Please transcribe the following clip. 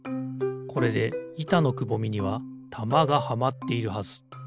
これでいたのくぼみにはたまがはまっているはず。